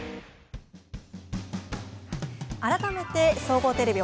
改めて総合テレビ